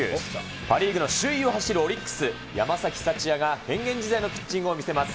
パ・リーグの首位を走るオリックス、山崎福也が変幻自在のピッチングを見せます。